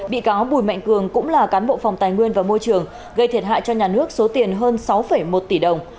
bị cáo bùi mạnh cường cũng là cán bộ phòng tài nguyên và môi trường gây thiệt hại cho nhà nước số tiền hơn sáu một tỷ đồng